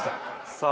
さあ。